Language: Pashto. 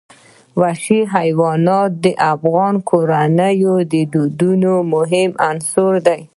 وحشي حیوانات د افغان کورنیو د دودونو مهم عنصر دی.